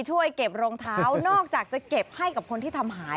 ช่วยเก็บรองเท้านอกจากจะเก็บให้กับคนที่ทำหาย